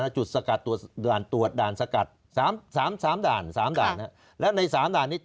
จุดสกัดตรวจด่านสกัด